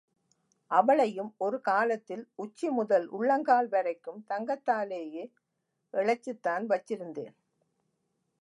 அவளையும் ஒரு காலத்தில் உச்சி முதல் உள்ளங்கால் வரைக்கும் தங்கத்தாலேயே எழைச்சுத்தான் வச்சிருந்தேன்.